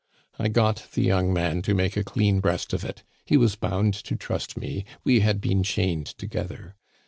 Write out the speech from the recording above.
I got the young man to make a clean breast of it; he was bound to trust me, we had been chained together.